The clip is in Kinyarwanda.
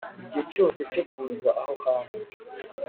Igihe cyose cyo kuza aho hantu